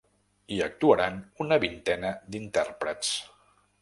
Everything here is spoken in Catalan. Hi actuaran una vintena d’intèrprets.